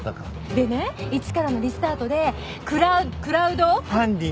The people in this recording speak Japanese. でね一からのリスタートでクラクラウド？ファンディング。